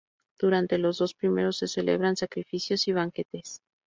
Durante los dos primeros se celebraban sacrificios y banquetes.